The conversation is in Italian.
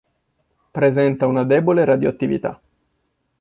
Presenta una debole radioattività.